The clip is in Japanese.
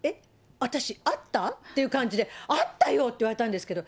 私会った？っていう感じで、会ったよって言われたんですけど。